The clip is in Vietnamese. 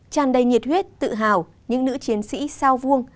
tràn đầy nhiệt huyết tự hào những nữ chiến sĩ sao vuông